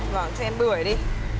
vâng cho em bưởi đi